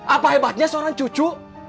apa hebatnya seorang cucu